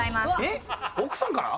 えっ奥さんから？